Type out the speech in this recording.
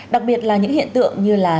đặc biệt là những hiện tượng như là